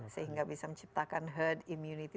sehingga bisa menciptakan herd immunity